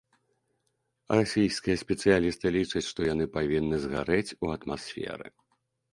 Расійскія спецыялісты лічаць, што яны павінны згарэць у атмасферы.